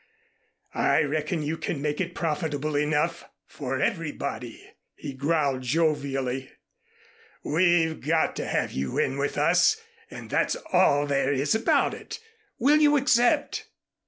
"I reckon you can make it profitable enough, for everybody," he growled jovially. "We've got to have you in with us, and that's all there is about it. Will you accept?"